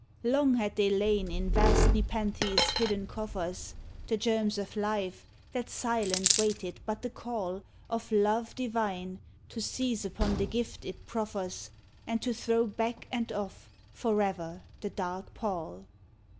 Long had they lain in vast Nepenthe's hidden coffers, The germs of life that silent waited but the call Of Love Divine to seize upon the gift it proffers, And to throw back and off, forever, the dark pall.